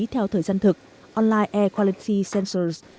theo thời gian thực online air quality sensors